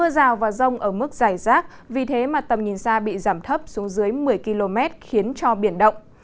mưa rào và rông ở mức dài rác vì thế mà tầm nhìn xa bị giảm thấp xuống dưới một mươi km khiến cho biển động